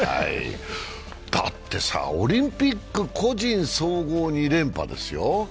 だってさ、オリンピック個人総合２連覇ですよ。